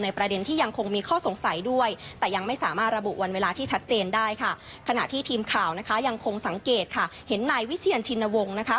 เห็นนายวิเชียรชินวงนะคะ